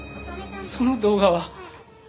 その動画は。